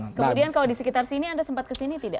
kemudian kalau di sekitar sini anda sempat ke sini atau tidak